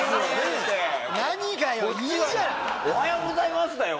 「おはようございます」だよ